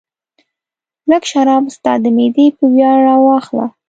لږ شراب ستا د معدې په ویاړ راواخله.